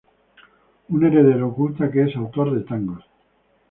Un heredero oculta que es autor de tangos.